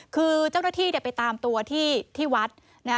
คือเจ้าหน้าที่ไปตามตัวที่วัดนะฮะ